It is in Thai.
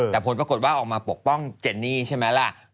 แต่ผลปรากฏว่าออกมาปกป้องเจนนี่ใช่ไหมล่ะ